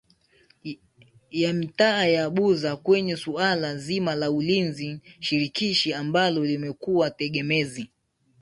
ya mitaa ya Buza kwenye suala nzima la Ulinzi shirikishi ambalo limekuwa tegemezi